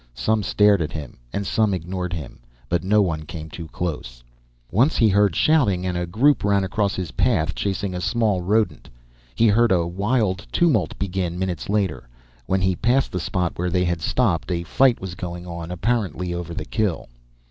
Some stared at him and some ignored him, but none came too close. Once he heard shouting and a group ran across his path, chasing a small rodent. He heard a wild tumult begin, minutes later. When he passed the spot where they had stopped, a fight was going on, apparently over the kill.